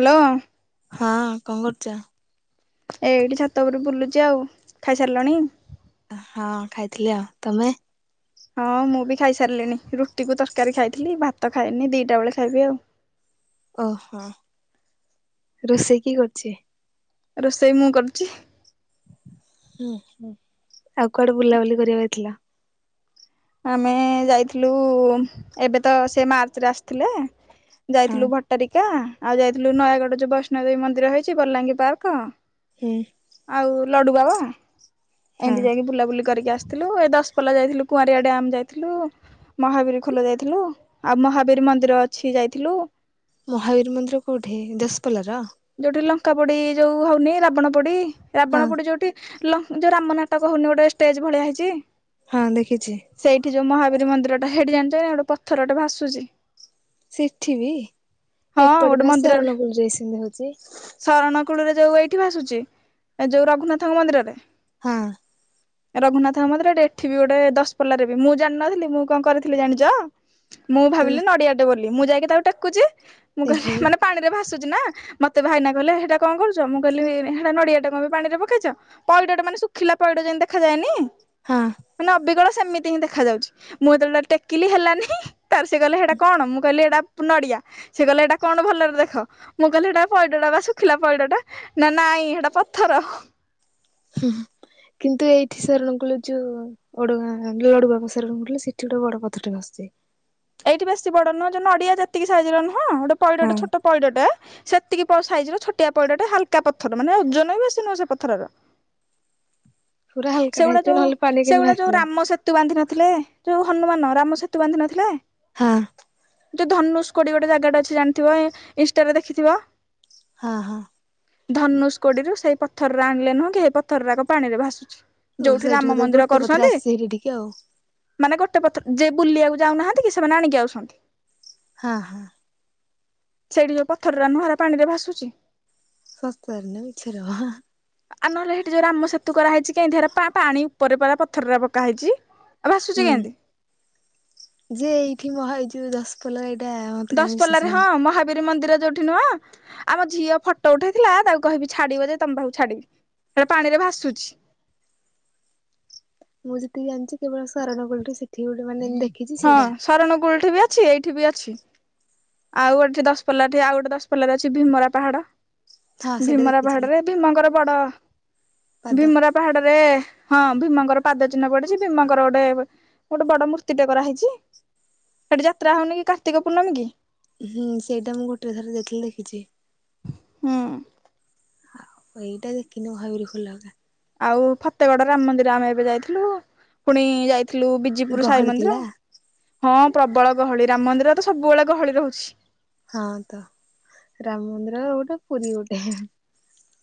Hello. ହଁ କଣ କରୁଛ? ଏଇଟି ଛାତ ଉପରେ ବୁଲୁଛି ଆଉ ଖାଇସାରିଲଣି? ହଁ ଖାଇଥିଲି ଆଉ। ତମେ? ହଁ ମୁଁ ବି ଖାଇସାରିଲିଣି ରୁଟିକୁ ତରକାରୀ ଖାଇଥିଲି ଭାତ ଖାଇନି ଦିଟା ବେଳେ ଖାଇବି ଆଉ। ଓହୋ ରୋଷେଇ କିଏ କରୁଛି? ରୋଷେଇ ମୁଁ କରୁଛି। ହୁଁ ହୁଁ ଆଉ କୁଆଡେ ବୁଲାବୁଲି କରିବାକୁ ଯାଇଥିଲ? ଆମେ ଯାଇଥିଲୁ ଏବେ ତ ସେ ମାର୍ଚ୍ଚ ରେ ଆସିଥିଲେ ହଁ ଯାଇଥିଲୁ ଭ ଟାରିକା ଆଉ ଯାଇଥିଲୁ ନୟାଗଡ଼ ଯୋଉ ବୈଷ୍ଣୋଦେବୀ ମନ୍ଦିର ହେଇଛି ବଲାଙ୍ଗୀ ପାର୍କ। ହୁଁ। ଆଉ ଲଡୁ ବାବା ହଁ ଏମିତି ଯାଇକି ବୁଲାବୁଲି କରିକି ଆସିଥିଲୁ ଏ ଦଶପଲ୍ଲା ଯାଇଥିଲୁ କୁଆଁ ଡ୍ୟାମ ଯାଇଥିଲୁ ମହାବୀର ଖୋଲ ଯାଇଥିଲୁ ଆଉ ମହାବୀର ମନ୍ଦିର ଅଛି ଯାଇଥିଲୁ। ମହାବୀର ମନ୍ଦିର କୋଉଠି ଦଶପଲ୍ଲ ର? ଯୋଉଠି ଲଙ୍କା ପୋଡି ଯୋଉ ହଉନି ରାବଣ ପୋଡି ହଁ ରାବଣ ପୋଡି ଯୋଉଠି ଲ ଯେଉଁ ରାମ ନାଟକ ହେଉନି ଗୋଟେ ଷ୍ଟେଜ୍ ଭଳିଆ ହେଇଛି? ହଁ ଦେଖିଛି। ସେଇଠି ଯୋଉ ମହାବୀର ମନ୍ଦିର ଟା ହେଇଠି ଜାଣିଚ କି ନାଇ ଗୋଟେ ପଥରଟେ ଭାସୁଛି। ସେଠି ବି ହଁ ଏପଟେ ଗୋଟେ ବା ମନ୍ଦିରରେ ସରଣକୁଳୁ ରେ ସେମିତି ହଉଛି। ଶରଣ କୁଳରେ ଯୋଉ ଏଇଠି ଭାସୁଛି ଯୋଉ ରଘୁନାଥଙ୍କ ମନ୍ଦିରରେ। ହଁ। [inaudible] ରଘୁନାଥଙ୍କ ମନ୍ଦିରରେ ଏଠି ଗୋଟେ ଦଶପଲ୍ଲା ରେ ବି ମୁଁ ଜାଣିନଥିଲି ମୁଁ କଣ କରିଥିଲି ଜାଣିଚ? ମୁଁ ତମେ ଭାବିଲି ନଡିଆ ଟେ ବୋଲି ମୁଁ ଯାଇକି ତାକୁ ଟେକୁଛି ମୁଁ ଏହେ କହିଲି ମାନେ ପାଣି ରେ ଭାସୁଛି ନା। ମୋତେ ଭାଇନା କହିଲେ ହେଇଟା କଣ କରୁଛ ମୁଁ କହିଲି ହେଟା ନଡ଼ିଆଟା କଣ ପାଇଁ ପାଣିରେ ପକେଇଛ? ପଇଡ ଟା ମାନେ ଶୁଖିଲା ପଇଡ଼ ଯମିତି ଦେଖାଯାଏନି? ହଁ। ମାନେ ଅବିକଳ ସେମିତି ହିଁ ଦେଖା ଯାଉଛି। ମୁଁ ଯେତେଳେ ତାକୁ ଟେକିଲି ହେଲାନି ତାର ସେ କହିଲେ ହେଟା କଣ ମୁଁ କହିଲି ଏଟା ନଡିଆ। ସେ କହିଲେ ଏଇଟା କଣ ଭଲରେ ଦେଖ ମୁଁ କହିଲି ହେଟା ପଇଡଟା ବା ଶୁଖିଲା ପଇଡ ଟା ନା ନାଇଁ ହେଟା ପଥର। ହୁଁ ହୁଁ କିନ୍ତୁ ଏଇଠି ସାରଣ କୁଳୁ ଯୁ ଓଡଗାଁ ଲଡୁବାବା ସରଣକୁଳୁ ସେଠି ଗୋଟେ ବଡ ପଥରେ ଟେ ଭାସୁଛି। ଏଇଠି ବେଶୀ ବଡ ନୁହଁ ଯୋଉ ନଡିଆ ଯେତିିକି ସାଇଜିର ନୁହଁ ଗୋଟେ ପଇଡ ହଁ ଟେ ଛୋଟ ପଇଡଟେ ସେତିକି ପ ସାଇଜିର ଛୋଟିଆ ପଇଡାଟେ ହାଲକା ପଥର ମାନେ ଓଜନ ବି ବେଶୀ ନୁହେଁ ସେ ପଥରର। ପୁରା ହାଲକାଟା ସେଗୁଡା ହେଇଥିବ ଯୋଉ ନହେଲେ ପାଣି କେମିତି ସେଗୁଡା ଯୋଉ ଭାସିବ। ରାମ ସେ ସେତୁ ବାନ୍ଧି ନଥିଲେ ଯୋଉ ହନୁମାନ ରାମ ସେତୁ ବାନ୍ଧି ନଥିଲେ? ହଁ। ଯୋଉ ଧନୁଷ କୋଡି ଗୋଟେ ଜାଗା ଟା ଅଛି ଜାଣିଥିବ ଇନଷ୍ଟାରେ ଦେଖିଥିବ। ହଁ ହଁ। ଧନୁଷ କୋଡିରୁ ସେଇ ପଥରରେ ଆଣିଲେ ନୁହଁ କି ହେଇ ପଥରୁରା ପାଣିରେ ଭାସୁଛି। ଓ ଯୋଉଠି ସେଇଠି ରାମ ବୋଧେ ମନ୍ଦିର ଗୋଟେ ପଥରେ କରୁସନ୍ତି ଆସିଛି ହେରି ଟିକେ ଆଉ ମାନେ ଗୋଟେ ପଥ ଯେ ବୁଲିବାକୁ ଯାଉନାହାନ୍ତି କି ସେମାନେ ଆଣିକି ଆଉଛନ୍ତି। ହାଁ। ସେଇଠି ଯୋଉ ପଥରୁର ନୁହଁ ହେରା ପାଣି ରେ ଭାସୁଛି। ସତରେ ନା ମିଛରେ ବା ହା? ଆ ନହେଲେ ହେଟି ଯୋଉ ରାମ ସେତୁ କରା ହେଇଚି କେଁତି ହେରା ପା ପାଣି ଉପରେ ପରା ପଥରରା ପକା ହେଇଚି। ହୁଁ ଯିଏ ଏଇଠି ମ ଏହି ଯୋଉ ଦଶପଲା ଏଇଟା ମତେ କାହିଁ ବିଶ୍ୱାସ ଦଶପଲ୍ଲାରେ ହଁ ହଉନି ମହାବୀର ମନ୍ଦିର ଯୋଉ ସେଠି ନୁହଁ ଆମ ଝିଅ ଫଟୋ ଉଠେଇଥିଲା ତାକୁ କହିବି ଛାଡିବ ଯେ ତମ ପାଖକୁ ଛାଡିବି। ହେରା ପାଣିରେ ଭାସୁଛି। ମୁଁ ଯେତିକି ଜାଣିଛି କେବଳ ଶରଣକୁଳଠୁ ସେଠିକି ଗୋଟେ ମାନେ ଏମତି ହଁ, ଶରଣକୁଳଠି ବି ଅଛି, ଏଇଠି ବି ଅଛି। ଆଉ ଗୋଟେ ଦଶପଲ୍ଲାଠେ ଆଉ ଗୋଟେ ଦଶପଲ୍ଲାରେ ଅଛି ବିମଳା ପାହାଡ। ହଁ ସେଇଟା ଭୀମରା ଦେଖିଛି ପାହାଡରେ ଭୀମଙ୍କର ବଡ, ପାଦ ଭୀମରା ପାହାଡରେ ହଁ ଭୀମଙ୍କର ପାଦ ଚିହ୍ନ ପଡିଛି, ଭୀମଙ୍କର ଗୋଟେ ଗୋଟେ ବଡ ମୂର୍ତ୍ତିଟେ କରାହେଇଛି, ସେଠି ଯାତ୍ରା ହଉନି କି କାର୍ତ୍ତିକ ପୂର୍ଣ୍ଣମୀକି। ହୁଁ, ସେଇଟା ମୁଁ ଗୋଟେ ଥରେ ଦେଖିଲି ଦେଖିଛି। ହୁଁ। ଆଉ ଏଇଟା ଦେଖିନି [unintelligible] ଖୋଲା କଥା। ଆଉ ଫତେଗଡ ରାମ ମନ୍ଦିର ଆମେ ଏବେ ଯାଇଥିଲୁ, ପୁଣି ଯାଇଥିଲୁ ବି ଜିପୁର ସାଇ ଗହଳି ମନ୍ଦିର। ଥିଲା ହଁ, ପ୍ରବଳ ଗହଳି, ରାମ ମନ୍ଦିର ତ ସବୁବେଳେ ଗହଳି ରହୁଛି। ହଁ ତ, ରାମ ମନ୍ଦିର ଗୋଟେ ପୁରୀ ଗୋଟେ।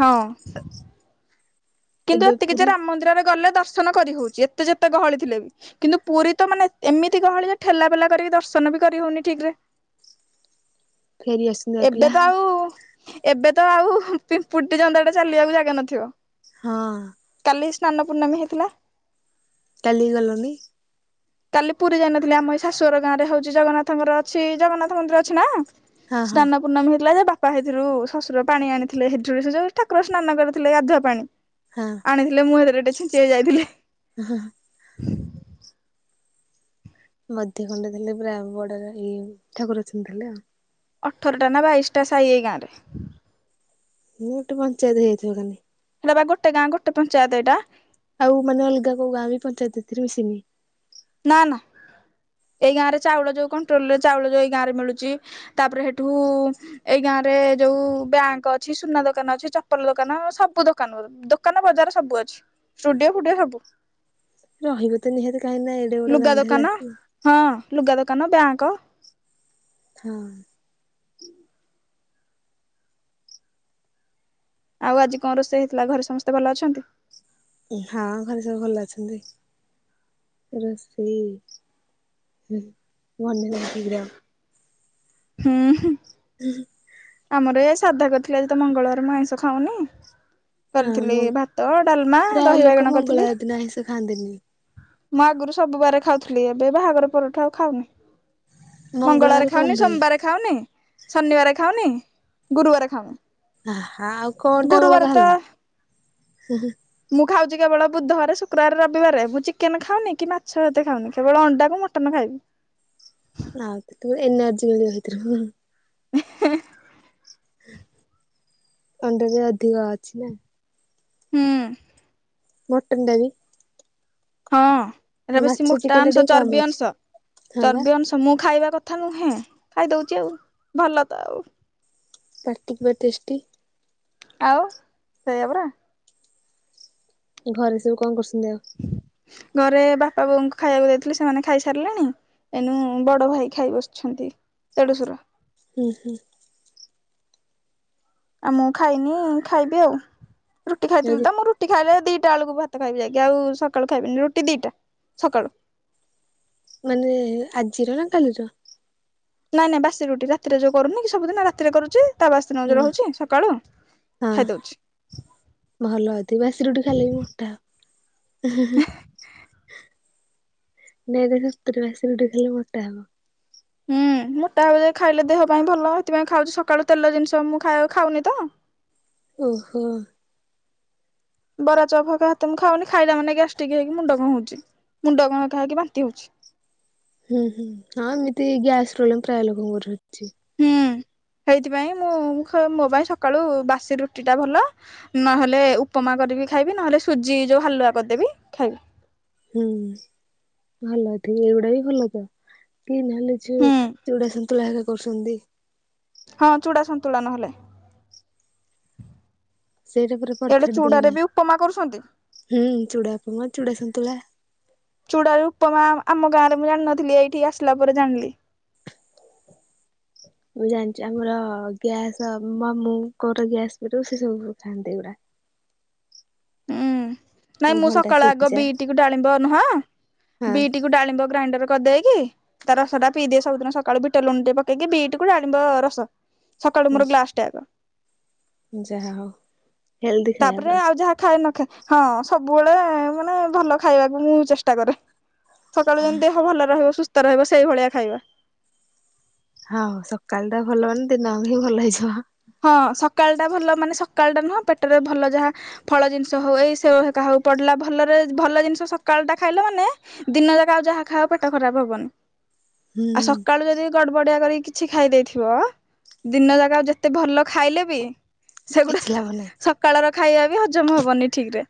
ହଁ। [inaudible] କିନ୍ତୁ ଏବେ ଏତିକି ଯେ ପୁରୀ ରାମ ମନ୍ଦିରରେ ଗଲେ ଦର୍ଶନ କରିହଉଛି, ଏତେ ଯେତେ ଗହଳି ଥିଲେ ବି। କିନ୍ତୁ ପୁରୀ ତ ମାନେ ଏ ଏମିତି ଗହଳି ଯେ, ଠେଲା ପେଲା କରିକି ଦର୍ଶନ ବି କରିହଉନି ଠିକରେ। ଫେରି ଆସୁଛନ୍ତି ବା ପିଲା ଏବେ ତ ଆଉ ଏବେ ତ ଆଉ ପିମ୍ପୁଡ଼ିଟେ, ଜନ୍ଦାଟେ ଚାଲିବାକୁ ଜାଗା ନଥିବ। ହଁ। କାଲି ସ୍ନାନ ପୂର୍ଣ୍ଣମୀ ହେଇଥିଲା। କାଲି ଗଲନି? [inaudible] କାଲି ପୁରୀ ଯାଇନଥିଲି, ଆମ ଏଇ ଶାଶୂଘର ଗାଁରେ ହଉଛି ଜଗନ୍ନାଥଙ୍କର ଅଛି, ଜଗନ୍ନାଥ ମନ୍ଦିର ଅଛି ନା ହଁ ହଁ ସ୍ନାନ ପୂର୍ଣ୍ଣମୀ ହୋଇଥିଲା ଯେ, ବାପା ସେଇଥିରୁ ଶ୍ୱଶୁର ପାଣି ଆଣିଥିଲେ ସେଠୁ, ସେ ଯୋଉ ଠାକୁର ସ୍ନାନ କରିଥିଲେ ଗାଧୁଆ ପାଣି ହଁ। ଆଣିଥିଲେ, ମୁଁ ହେଥିରେ ଟିକେ ଛିଞ୍ଚି ହେଇଯାଇଥିଲି। ହଁଁ ହଁ। ମଧ୍ୟ ଖଣ୍ଡ ଥିଲେ ପୁରା ବଡର ଏଇ ଠାକୁର ଅଛନ୍ତି ତାହେଲେ ଆଉ। ଅଠରଟା ନା ବାଇଶଟା ସାଇ ଏଇ ଗାଁରେ। ମୁଁ ଗୋଟେ ପଞ୍ଚାୟତ ହେଇଥିବ କାନେ? ହେଇରା ବା ଗୋଟେ ଗାଁ, ଗୋଟେ ପଞ୍ଚାୟତ ଏଇଟା। ଆଉ ମାନେ ଅଲଗା କୋଉ ଗାଁ ବି ପଞ୍ଚାୟତ ଏଥିରେ ମିଶିନି? ନା ନା। ଏଇ ଗାଁରେ ଚାଉଳ ଯୋଉ କଣ୍ଟ୍ରୋଲରେ ଚାଉଳ ଯୋଉ ଏଇ ଗାଁରେ ମିଳୁଛି ତାପରେ ସେଠୁ ଏଇ ଗାଁରେ ଯୋଉ ବ୍ୟାଙ୍କ ଅଛି, ସୁନା ଦୋକାନ ଅଛି, ଚପଲ ଦୋକାନ, ସବୁ ଦୋକାନ ଗୁରେ ଦୋକାନ ବଜାର ସବୁ ଅଛି। ଷ୍ଟୁଡିଓ ଫୁଡିଓ ସବୁ। ରହିବ ତ ନିହାତି, କାହିଁକିନା ଏ ଲୁଗା ଦୋକାନ, ହଁ ଲୁଗା ଦୋକାନ, ବ୍ୟାଙ୍କ ହଁ। ଆଉ ଆଜି କଣ ରୋଷେଇ ହେଇଥିଲା? ଘରେ ସମସ୍ତେ ଭଲ ଅଛନ୍ତି? ହଁ, ଘରେ ସବୁ ଭଲ ଅଛନ୍ତି। ରୋଷେଇ, ହୁଁ, ମନେ ନାହିଁ ଠିକରେ ଆଉ। ହୁଁ, ହୁଁ। ଆମର ଏ ସାଧା କରିଥିଲୁ, ଆଜି ତ ମଙ୍ଗଳବାର ଆଇଁଷ ଖାଉନି। କରିଥିଲି ହଁ ଭାତ, ଡାଲମା, ପ୍ରାୟ ଦହି ଲୋକ ବାଇଗଣ କରିଥିଲି ମଙ୍ଗଳବାର ଦିନ ଆଇଁଷ ଖାଆନ୍ତିନି। ମୁଁ ଆଗରୁ ସବୁ ବାର ଖାଉଥିଲି, ଏବେ ବାହାଘର ପରଠା ଆଉ ଖାଉନି। ମଙ୍ଗଳବାର କଣ ଖାଉନି, ପାଇଁ? ସୋମବାର ଖାଉନି, ଶନିବାର ଖାଉନି, ଗୁରୁବାର ଖାଉନି। ଆ ଆଉ କଣଟା ଗୁରୁବାର ବଳକା ତ ହେଲା? ହ ହ ମୁଁ ଖାଉଛି କେବଳ ବୁଧବାର, ଶୁକ୍ରବାର, ରବିବାରେ ମୁଁ ଚିକେନ ଖାଉନି, କି ମାଛ ଏତେ ଖାଉନି କେବଳ ଅଣ୍ଡା କୁ ମଟନ ଖାଇବି। ଆଉ ତୁମ ଏନର୍ଜି ମିଳିବ ଏ [unintelligible] ଅଣ୍ଡାରେ ଅଧିକ ଅଛି ଆଉ। ହୁଁ। ମଟନ ଟା ବି। ହଁ ଏଇଟା ମାଛ ବେଶୀ ମୋଟା ଚିକେନ୍ ଟା ଅଂଶ, ଟିକେ କମ୍ ଚର୍ବି ଅଛି। ଅଂଶ, ହଁ ବା। ଚର୍ବି ଅଂଶ। ତ ମୁଁ ଖାଇବା କଥା ନୁହେଁ, ଖାଇଦଉଛି ଆଉ ଭଲ ତ ଆଉ। ପାଟି ପୁରା ଟେଷ୍ଟୀ। ଆଉ ସେଇଆ ପରା। ଘରେ ସବୁ କଣ କରୁଛନ୍ତି ଆଉ? ଘରେ ବାପା ବୋଉଙ୍କୁ ଖାଇବାକୁ ଦେଇଥିଲେ, ସେମାନେ ଖାଇସାରିଲେଣି। ଏଇନୁ ବଡ ଭାଇ ଖାଇ ବସିଛନ୍ତି ଦେଢଶୁର। ହୁଁ ହୁଁ। ଆଉ ମୁଁ ଖାଇନି, ଖାଇବି ଆଉ ରୁଟି ଖାଇଥିଲି ହୁଁ ତ ମୁଁ ରୁ ରୁଟି ଖାଇଲେ ଦିଟା ବେଳକୁ ଭାତ ଖାଇବି ଯାଇକି, ଆଉ ସକାଳୁ ଖାଇବିନି, ରୁଟି ଦିଟା ସକାଳୁ ମାନେ ଆଜିର ନା କାଲିର? ନାଇଁ ନାଇଁ ବାସି ରୁଟି ରାତିରେ ଯଉ କରୁନି କି, ସବୁଦିନ ରାରେ କରୁଛେ? ତା ବାସି ଦିନ ହଁ ଯୋଉ ରହୁଛି, ସକାଳୁ ହଁ ଖାଇଦଉଛି। ଭଲ ଅଛି ବାସି ରୁଟି ଖାଇଲେ ବି ମୋଟା ହବ। ନାଇଁ ସତରେ ବାସି ଗୋଟେ ଖେଲେ ମୋଟା ହବ। ହୁଁ ମୋଟା ହବ ଯଦି ଖାଇଲେ ଦେହ ପାଇଁ ଭଲ, ସେଇଥିପାଇଁ ଖାଉଛି ସକାଳୁ ତେଲ ଜିନିଷ ମୁଁ ଖ ଖାଉନି ତ। ଓହୋ। ବରା ଚପ ହକା ତ ମୁ ଖାଉନି, ଖାଇଲା ମାନେ ଗ୍ୟାଷ୍ଟିକ୍ ହେଇକି ମୁଣ୍ଡ କଣ ହଉଛି, ମୁଣ୍ଡ କଣ କା ହେଇକି ବାନ୍ତି ହଉଛି। ହୁଁ ହୁଁ ହଁ ଏମିତି ଗ୍ୟାସ ପ୍ରୋବ୍ଲେମ ପ୍ରାୟ ଲୋକଙ୍କର ହଉଚି। ହୁଁ ସେଇଥିପାଇଁ ମୁଁ ମୋ ପାଇଁ ସକାଳୁ ବାସି ରୁଟି ଟା ଭଲ ନହେଲେ ଉପମା କରିବି ଖାଇବି, ନହେଲେ ସୁଜି ଯେଉଁ ହାଲୁଆ କରିଦେବି ଖାଇବି। ହୁଁ ଭଲ ଠିକ ଏଇଗୁଡା ବି ଭଲ ତ। କି ନହେଲେ ଯୋଉ ହୁଁ। ଚୁଡା, ସନ୍ତୁଳା ହେରିକା କରୁଛନ୍ତି। ହଁ ଚୂଡା ସନ୍ତୁଳା ନହେଲେ। ସେଇଟା ପୁରା ଇଆଡେ ପରଫେକ୍ଟ ଚୁଡାରେ ଦେବେ, ବି ଉପମା କରୁଛନ୍ତି। ହୁଁ ଚୁଡା ଉପମା, ଚୁଡା ଶନ୍ତୁଳା। ଚୁଡ଼ା ରେ ଉପମା ଆମ ଗାଁ ରେ ମୁଁ ଜାଣିନଥିଲ ଏଇଠିକି ଆସିଲା ପରେ ଜାଣିଲି। ମୁଁ ଜାଣିଛି ଆମର ଗ୍ୟାସ ମ ମୁ କୋଉର ଗ୍ୟାସ ପ ସେ ସବୁ ଖାଆନ୍ତି ଗୁଡା। ହୁଁ। ନାଇଁ ମୁଁ ଘଣ୍ଟା ସକାଳ ଆଗ, ସିଝା ବିଟିକୁ ଡାଳିବ ନୁହଁ, ବିଟିକୁ ଡାଳିବ ଗ୍ରାଇଣ୍ଡର କରିଦେଇକି, ତା ରସ ଟା ପିଇ ଦିଏ ସବୁଦିନ ସକାଳୁ ବିଟ ଲୁଣ ପକେଇକି ବିଟ୍ କୁ ଡାଳିମ୍ବ ରସ। ସକାଳୁ ହଁ ମୋର ଗ୍ଲାସ୍ ଟେ ଆଗ। ଯାହା ହଉ। ହେଲ୍ଦି ଖାଇବା ତାପରେ ପୁରା। ଆଉ ଯାହା ଖାଏ ନ ଖାଏ, ହଁ ସବୁବେଳେ ମାନେ ଭଲ ଖାଇବାକୁ ମୁଁ ଚେଷ୍ଟା କରେ। ସକାଳୁ ଯେମିତି ଦେହ ଭଲ ରହିବ ସୁସ୍ଥ ରହିବ ସେଇଭଳିଆ ଖାଇବା। ହଁ ସକାଳ ଟା ଭଲ ମାନେ ଦିନେ ହି ଭଲ ହେଇଯିବ। ହଁ ସକାଳ ଟା ଭଲ ମାନେ ସକାଳ ଟା ନୁହଁ ପେଟରେ ଭଲ ଯାହା ଫଳ ଜିନିଷ ହଉ ଏଇ ସେଓ କା ହଉ ପଡିଲା ଭଲରେ ଭଲ ଜିନିଷ ସକାଳଟା ଖାଇଲେ ମାନେ ଦିନ ଯାକ ଆଉ ଯାହା ଖାଅପେଟ ଖରାପ ହବନି। ହୁଁ ଆଉ ସକାଳୁ ଯଦି ଗଡ ବଡିଆ କରିକି କିଛି ଖାଇ ଦେଇେଇଥିବ ଦିନ ଯାକା ଯେ ଏତେ ଭଲ ଖାଇଲେ ବି ସେଗୁଡା କିଛି ଲାଭ ନାହିଁ ସକାଳର ଖାଇବା ବି ହଜମ ହବନି ଠିକ ରେ।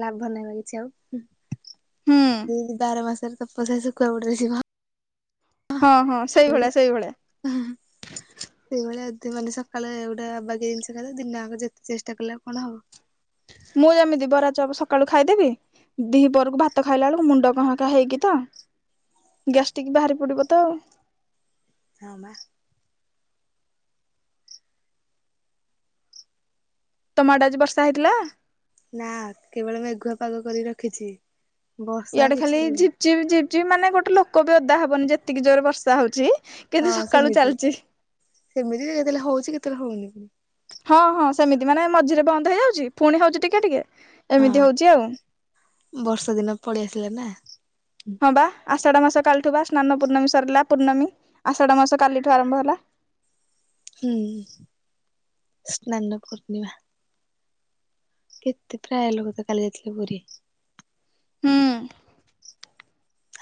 ଲାଭ ନାଇଁ ବା କିଛି ହୁଁ ଆଉ ବାର ମାସରେ ତପସ୍ୟା ଶୁଖୁଆ ପୋଡିରେ ଯିବା। ହଁ ହଁ ସେଇଭଳିଆ ସେଇଭଳିଆ। ହଁ। ସେଇଭଳିଆ ମାନେ ସକାଳେ ଗୋଟା ଅବାଗିଥା ଜିନିଷ ଖାଇ ଦେଇ ଥିବ ଦିନ ଆକ ଯେତେ ଚେଷ୍ଟା କଲେ କଣ ହବ। ମୁଁ ଯେମିତି ବରାଚପ ସକାଳୁ ଖାଇଦେବି। ଦିହି ପରରକୁ ଭାତ ଖାଇଲା ବେଳକୁ ମୁଣ୍ଡ କାଁ କା ହେଇକି ତ ଗ୍ୟାଷ୍ଟଟିକ୍ ବାହାରି ପଡିବ ତ ଆଉ ହଁ ବା। ତମଆଡ଼େ ଆଜି ବର୍ଷା ହେଇଥିଲା? ନା କେବଳ ମେଘୁଆ ପାଗ କରି ରଖିଛି। ବର୍ଷା ଇଆଡେ କିଛି ଖାଲି ହଉନି। ଝିପି ଝିପି ମାନେ ଗୋଟେ ଲୋକ ବି ଅଦା ହବନି ଯେତିକି ଜୋରେ ବର୍ଷା ହଉଛି। କିନ୍ତୁ ହଁ ସକାଳୁ ସେମିତି ଚାଲିଛି ସେମିତି କେତେବେଳେ ହଉଛି କେତେବେଳେ ହଉନି। ହଁ ହଁ ସେମିତି ମାନେ ମଝିରେ ବନ୍ଦ ହେଇଯାଉଛି ପୁଣି ହଉଛି ଟିକେ ଟିକେ ହଁ ଏମିତି ହଉଚି ଆଉ ବର୍ଷା ଦିନ ପଳେଇ ଆସିଲା ନା ହଁ ବା ଆଷାଢ ମାସ କାଲିଠୁ ବା ସ୍ନାନ ପୂର୍ଣ୍ଣମୀ ସରିଲା ପୂର୍ଣ୍ଣମୀ ଆଷାଢ ମାସ କାଲିଠୁ ଆରମ୍ଭ ହେଲା। ହୁଁ ସ୍ନାନ ପୂର୍ଣ୍ଣିମା। କେତେ ପ୍ରାୟ ଲୋକ ତ କାଲି ଯାଇଥିଲେ ପୁରୀ। ହଁ।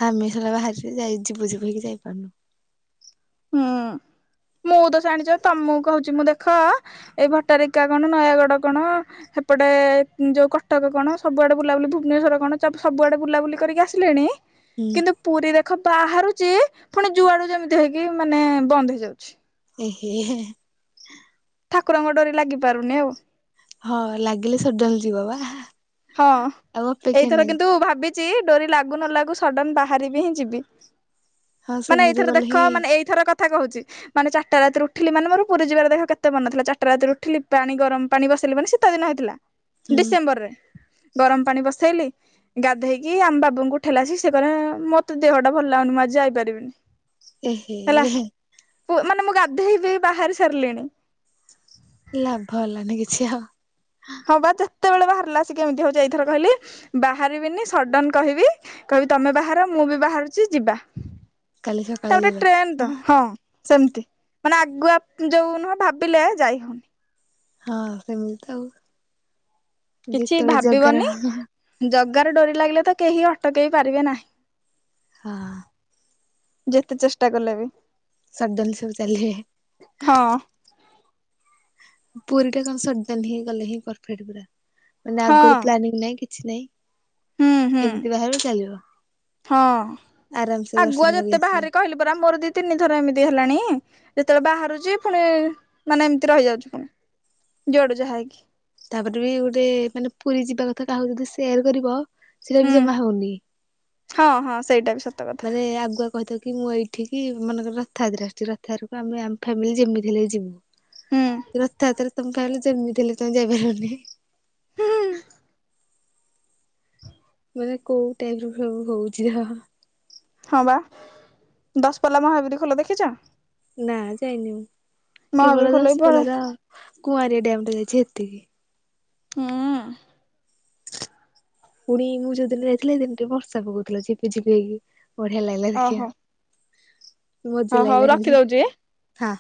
ଆମେ ସେଟ ବାହାରି ଯାଇ ଯିବୁ ଯିବ ହେଇକି ଯାଇପାରୁନୁ। ହୁଁ ମୁଁ ତ ଜାଣିଚ ତମକୁ କହୁଛି ମୁଁ ଦେଖ ଏଇ ଭଟାରିକା କଣ ନୟାଗଡ କଣ ସେପଟେ ଯୋଉ କଟକ କଣ ସବୁଆଡ଼େ ବୁଲାବୁଲି ଭୁବନେଶ୍ୱର କଣ ସବୁଆଡ଼େ ବୁଲାବୁଲି କରିକି ଆସିଲେଣି ହୁଁ କିନ୍ତୁ ପୁରୀ ଦେଖ ବାହାରୁଚି ପୁଣି ଯୁଆଡୁ ଯେମିତି ହେଇକି ମାନେ ବନ୍ଦ ହେଇଯାଉଛି। ଏ ହେ ହେ। ଠାକୁରଙ୍କ ଡୋରି ଲାଗି ପାରୁନି ଆଉ। ହଁ ଲାଗିଲେ ସଜନ ଯିବ ବା। ହଁ ଆଉ ଅପେକ୍ଷା ଏଇଥର ନାହିଁ। କିନ୍ତୁ ଭାବିଛି ଡୋରି ଲାଗୁ ନ ଲାଗୁ ସଡନ ବାହାରିବି ହିଁ ଯିବି। ହଁ ମାନେ ସେମିତି ଏଇଥର ଗଲେ ଦେଖ ହିଁ ମାନେ ଏଇଥର କଥା କହୁଛି ମାନେ ଚାରିଟା ରାତି ଉଠିଲି ମୋର ପୁରୀ ଯିବାର ଦେଖ କେତେ ମନଥିଲା ଚାରିଟା ରାତି ଉଠିଲି ପାଣି ଗରମ ପାଣି ବସେଇଲି ମାନି ସେ ତ ଦିନ ହେଇଥିଲା ହୁଁ ଡିସେମ୍ବରରେ ଗରମ ପାଣି ବସେଇଲି ଗାଧେଇକି ଆମ ବାବୁଙ୍କୁ ଠେଲାସ ସେ କ ମତେ ଦେହ ଟା ଭଲ ଲାଗୁନି ମୁଁ ଆଜି ଯାଇପାରିବିନି। ଏ ହେ ହେଲା ହେ। ମାନେ ମୁଁ ଗାଧୋଇବି ବାହାରି ସାରିଲିଣି। ଲାଭ ହେଲାନି କିଛି ଆଉ। ହଁ ବା ଯେତେବେଳେ ବାହାରିଲା ସେ କେମିତି ହଉଛି ଏଇଥର କହିଲି ବାହାରିବିନି ସଡନ କହିବି କହିବି ତମେ ବାହାର ମୁଁ ବି ବାହାରୁଛି ଯିବା। କାଲି ସକାଳେ ତାପରେ ଯିବା ଟ୍ରେନ୍ ତ ହଁ। ସେମିତି ମାନେ ଆଗୁଆ ଯୋଉ ନୁହଁ ଭାବିଲେ ଯାଇ ହଉନି। ହଁ ସେମିତି ତ ଆଉ। କିଛି ଯେତେବେଳେ ଜଗାର ଭାବିବନି ଜଗାର ଡୋରି ଲାଗିଲେ ତ କେହି ଅଟକେଇ ପାରିବେ ନାହିଁ। ହଁ। ଯେତେ ଚେଷ୍ଟା କଲେ ବି ସଡନ ସବୁ ଚାଲିବେ। ହଁ ପୁରୀ ଟା କଣ ସଡନ ହିଁ ଗଲେ ହିଁ ପରଫେକ୍ଟ ପୁରା ମାନେ ହଁ ଆଗରୁ ପ୍ଲାନିଂ ନାଇଁ କି କିଛି ନାଇଁ ହୁଁ ହୁଁ ଏମିତି ବାହାର ଚାଲିବ। ହଁ ଆରାମସେ ଆଗୁଆ ଦର୍ଶନ କରିକି ଯେତେ ଆସିବ। ବାହାରେ କହିଲି ପରା ମୋର ଦିଦି ତିନିଥର ଏମିତି ହେଲାଣି ଯେତେବେଳେ ବାହାରୁଛି ପୁଣି ମାନେ ଏମିତି ରହିଯାଉଛି ପୁଣି। ଜୁଆଡୁ ଯାହା କି ତାପରେ ବି ଗୋଟେ ମାନେ ପୁରୀ ଯିବା କଥା କାହାକୁ ଯଦି ସେୟାର କରିବ ସେଇଟା ହୁଁ ବି ଜମା ହଉନି। ହଁ ହଁ ସେଇଟା ବି ସତ। କଥା ମାନେ ଆଗୁଆ କହିଥିବ କି ମୁଁ ଏଇଠିକି ମନେକର ରଥ ଯାତ୍ରା ଅଛି ରଥଯାତ୍ରାକୁ ଆମେ ଆମ ଫାମିଲି ଯେମିତି ହେଲେ ବି ହୁଁ ଯିବୁ। ରଥଯାତ୍ରାରେ ତମେ କହିଲେ ଯେମିତୀ ହେଲେ ତମେ ଯାଇପାରିବନି। ହଁ ମାନେ କୋଉ ଟାଇମ ରୁ ସବୁ ହଉଛି। ହଁ ବା ଦଶପଲ୍ଲା ମହାବୀର ଖୋଲ ଦେଖିଛ? ନାଁ ଯାଇନି ମହାବୀର କେବଳ ଖୋଲ ବି ପଳେ ଦଶ୍ପଲା ର କୁଆଁରିଆ ଡ୍ୟାମ୍ ଟା ଯାଇଛି ହେତିକି। ହୁଁ। ପୁଣି ମୁଁ ଯୋଉଦିନ ଯାଇଥିଲି ହେଇଦିନ ଟିକେ ବର୍ଷା ପକଉଥିଲା ଝିପି ଝିପି ହେଇକି ବଢ଼ିଆ ଲାଗିଲା ଓହୋ ଦେଖିବା। ମଜା ହଉ ଲାଗିଲା ହଉ କିନ୍ତୁ ରଖିଦଉଛି। ହାଁ।